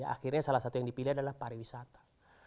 akhirnya salah satu yang dipilih adalah pariwisata